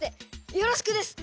よろしくです！